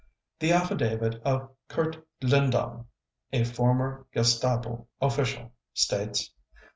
The affidavit of Kurt Lindown, a former Gestapo official, states